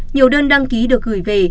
nhiều đơn đăng ký được gửi về